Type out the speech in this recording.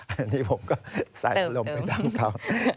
อันนี้ผมก็ใส่อารมณ์ไปตามเขา